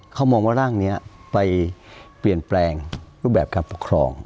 เขามองว่าร่างนี้ไปเปลี่ยนแปลงรูปแบบการปกครอง